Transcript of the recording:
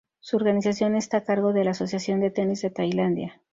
Su organización está a cargo de la Asociación de Tenis de Tailandia.